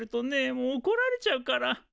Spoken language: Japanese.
もうおこられちゃうから。